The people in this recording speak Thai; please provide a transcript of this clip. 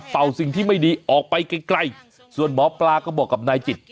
สิ่งที่ไม่ดีออกไปไกลส่วนหมอปลาก็บอกกับนายจิต